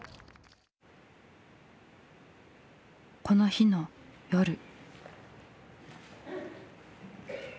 この日の夜。